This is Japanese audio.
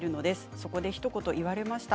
そこでひと言言われました。